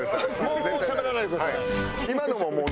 もうしゃべらないでください。